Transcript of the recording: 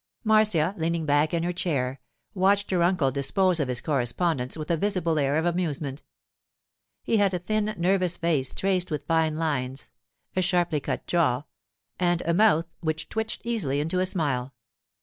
Marcia, leaning back in her chair, watched her uncle dispose of his correspondence with a visible air of amusement. He had a thin nervous face traced with fine lines, a sharply cut jaw, and a mouth which twitched easily into a smile.